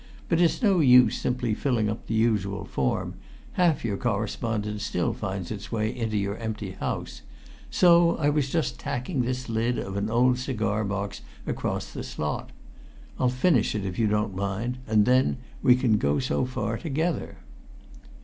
But it's no use simply filling up the usual form; half your correspondence still finds its way into your empty house; so I was just tacking this lid of an old cigar box across the slot. I'll finish it, if you don't mind, and then we can go so far together."